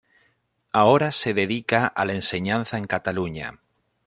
Ahora se dedica a la enseñanza en Cataluña.